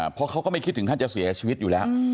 เพราะเขาก็ไม่คิดถึงขั้นจะเสียชีวิตอยู่แล้ว